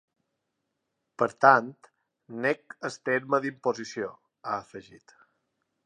Per tant, nego el terme d’imposició, ha afegit.